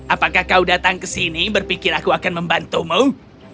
apakah kau datang ke sini berpikir aku akan membantumu